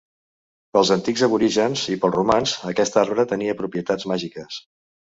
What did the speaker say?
Pels antics aborígens i pels romans aquest arbre tenia propietats màgiques.